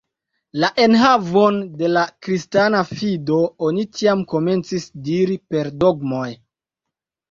La enhavon de la kristana fido oni tiam komencis diri per dogmoj.